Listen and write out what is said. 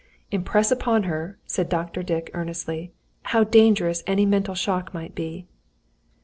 "Impress upon her," said Dr. Dick, earnestly, "how dangerous any mental shock might be."